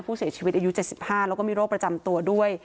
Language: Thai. ผู้เสียชีวิตอายุ๗๕แล้วก็มีโรคประจำตัวด้วย